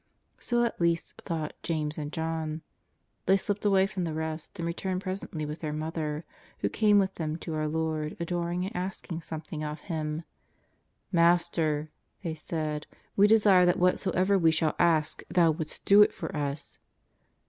So at least thought James and John. They slipped away from the rest and returned presently vnih their mother, who came with them to our Lord, adoring and asking something of Him: " Master," they said, " we desire that whatsoever we shall ask Tliou wouldst do it for us."